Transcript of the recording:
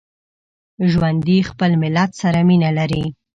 ژوندي خپل ملت سره مینه لري